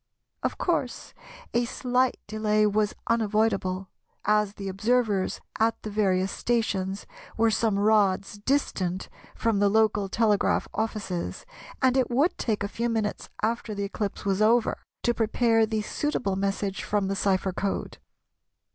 Of course a slight delay was unavoidable, as the observers at the various stations were some rods distant from the local telegraph offices, and it would take a few minutes after the eclipse was over to prepare the suitable message from the cypher code.